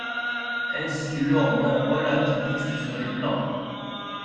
Ainsi, l’or non-relativiste serait blanc.